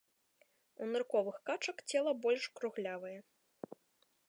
У нырковых качак цела больш круглявае.